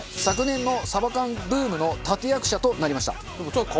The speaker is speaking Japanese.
昨年のサバ缶ブームの立役者となりました。